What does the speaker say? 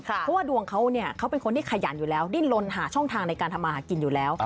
เพราะว่าดวงเขาเขาเป็นคนที่ขยันอยู่แล้วดิ้นลนหาช่องทางในการทำมาหากินอยู่แล้ว